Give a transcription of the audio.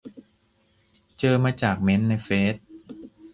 เจอมาจากเมนต์ในเฟซ